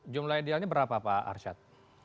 jumlah idealnya berapa pak arsyad